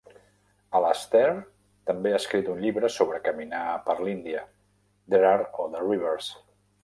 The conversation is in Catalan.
Alastair també ha escrit un llibre sobre caminar per l'Índia: "There Are Other Rivers".